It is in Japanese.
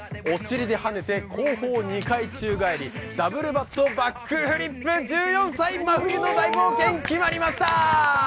お尻ではねて、後方２回宙返りダブルバットバックフリップ、１４歳真冬の大冒険決まりました！